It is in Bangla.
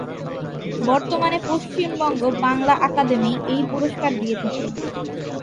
বর্তমানে পশ্চিমবঙ্গ বাংলা আকাদেমি এই পুরস্কার দিয়ে থাকে।